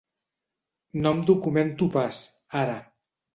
No em documento pas, ara.